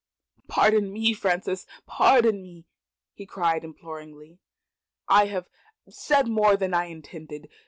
"Pardon me, Frances pardon me!" he cried, imploringly. "I have said more than I intended.